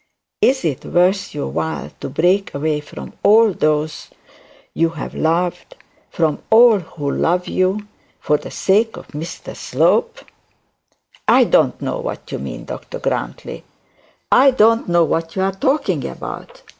Is it worth you while to break away from all those you have loved from all who love you for the sake of Mr Slope?' 'I don't know what you mean, Dr Grantly; I don't know what you are talking about.